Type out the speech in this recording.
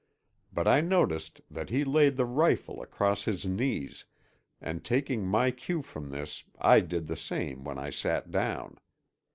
But I noticed that he laid the rifle across his knees, and taking my cue from this I did the same when I sat down.